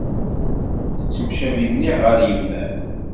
Tettemcabid mliḥ ɣer yemma-m.